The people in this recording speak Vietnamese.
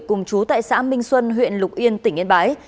cùng chú tại xã minh xuân huyện lục yên tỉnh yên bái